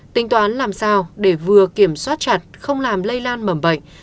tính toán làm sao để vừa kiểm soát chặt không làm lây lan mầm bệnh